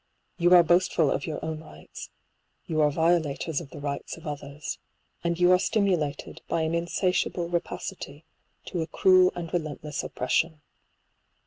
You are boastful of your own rights — you are violators of the rights of others ; and you are stimulated, by an insatiable rapacity, to a cruel and relentless oppression.